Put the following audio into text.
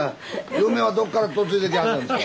嫁はどっから嫁いできはったんですか？